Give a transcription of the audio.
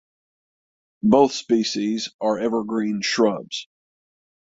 Both species are evergreen shrubs.